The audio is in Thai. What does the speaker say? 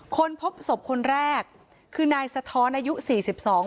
คนพบศพคนแรกคือนายสะท้อนอายุสี่สิบสอง